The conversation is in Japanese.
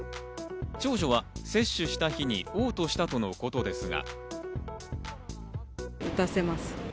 長女は接種した日に嘔吐したとのことですが。